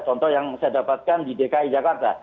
contoh yang saya dapatkan di dki jakarta